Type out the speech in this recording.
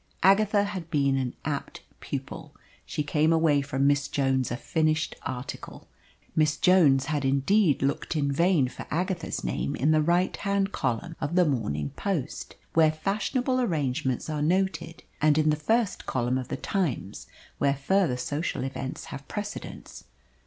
Agatha had been an apt pupil. She came away from Miss Jones a finished article. Miss Jones had indeed looked in vain for Agatha's name in that right hand column of the Morning Post where fashionable arrangements are noted, and in the first column of the Times, where further social events have precedence.